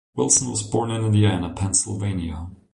Wilson was born in Indiana, Pennsylvania.